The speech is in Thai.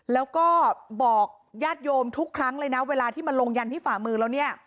แล้วก็บอกญาติโยมทุกครั้งเลยนะเวลาที่มาลงยันที่ฝ่ามือแล้วเนี่ย